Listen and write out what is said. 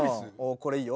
これいいよ。